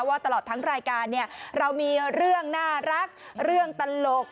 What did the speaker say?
ว่าตลอดทั้งรายการเนี่ยเรามีเรื่องน่ารักเรื่องตลก